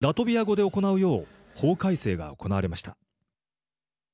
ラトビア語で行うよう法改正が行われました。